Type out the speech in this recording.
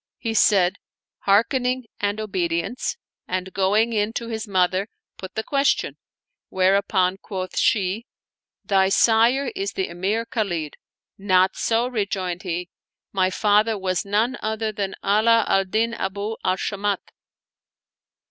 He said, " Hearkening and obedience/' and, going in to his mother, put the question; whereupon quoth she, "Thy sire is the Emir Khalid!" "Not so," rejoined he, "my father was none other than Ala al Din Abu al Shamat."